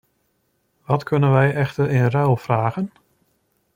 Wat kunnen we echter in ruil vragen?